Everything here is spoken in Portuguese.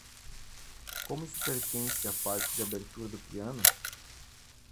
Como isso pertence à parte de abertura do piano?